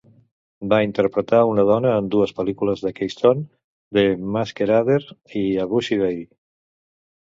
Va interpretar una dona en dues pel·lícules de Keystone: "The Masquerader" i "A Busy Day".